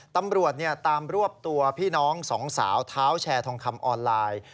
ตำรวจตามรวบตัวพี่น้องสองสาวเท้าแชร์ทองคำออนไลน์